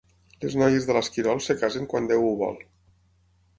Les noies de l'Esquirol es casen quan Déu ho vol.